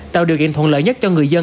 tạo điều kiện thuận lợi nhất cho người dân